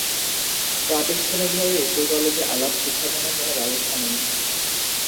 প্রাতিষ্ঠানিকভাবে স্কুল-কলেজে আলাপ শিক্ষাদানের কোনো ব্যবস্থা নেই।